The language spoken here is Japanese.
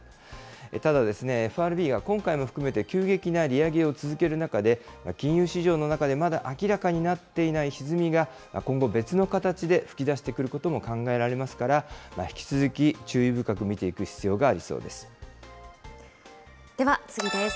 ただ、ＦＲＢが今回も含めて急激な利上げを続ける中で、金融市場の中でまだ明らかになっていないひずみが今後、別の形で吹き出してくることも考えられますから、引き続き注意深では次です。